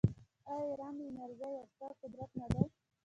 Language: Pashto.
آیا ایران د انرژۍ یو ستر قدرت نه دی؟